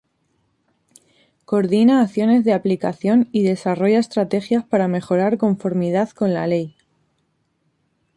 Coordina acciones de aplicación y desarrolla estrategias para mejorar conformidad con la ley.